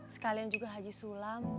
sekalian juga haji sulam